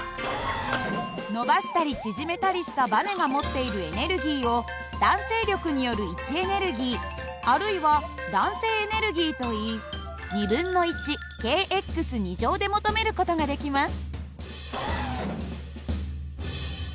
伸ばしたり縮めたりしたバネが持っているエネルギーを弾性力による位置エネルギーあるいは弾性エネルギーといいｋで求める事ができます。